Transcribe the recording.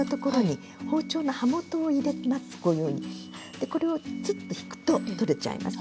でこれをツッと引くと取れちゃいます。